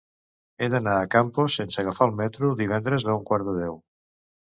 He d'anar a Campos sense agafar el metro divendres a un quart de deu.